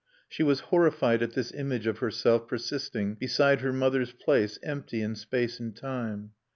She was horrified at this image of herself persisting beside her mother's place empty in space and time.